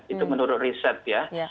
itu menurut riset ya